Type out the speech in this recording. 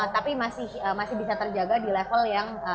tapi masih bisa terjaga di level yang sesuai dengan kondisi ekonomi